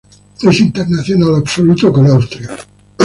Es internacional absoluto con Austria.